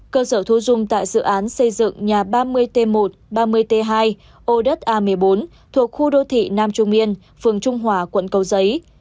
cơ sở thu dung tại dự án xây dựng nhà ba mươi t một ba mươi t hai ô đất a một mươi bốn thuộc khu đô thị nam trung yên phường trung hòa quận cầu giấy